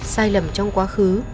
sai lầm trong quá khứ